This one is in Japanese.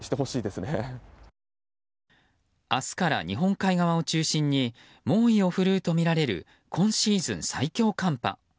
明日から日本海側を中心に猛威を振るうとみられる今シーズン最強寒波。